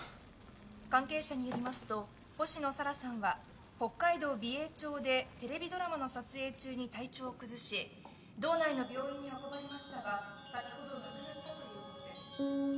関係者によりますと星野沙羅さんは北海道美瑛町でテレビドラマの撮影中に体調を崩し道内の病院に運ばれましたが先ほど亡くなったということです。